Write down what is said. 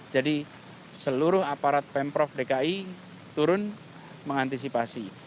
jadi seluruh aparat pemprov dki turun mengantisipasi